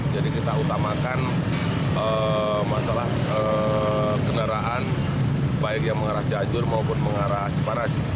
jadi kita utamakan masalah kendaraan baik yang mengarah cianjur maupun mengarah ciparas